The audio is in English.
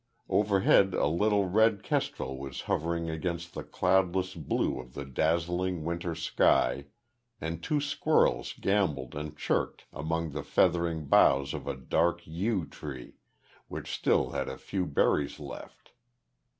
Overhead a little red kestrel was hovering against the cloudless blue of the dazzling winter sky, and two squirrels gambolled and chirked among the feathering boughs of a dark yew tree which still had a few berries left.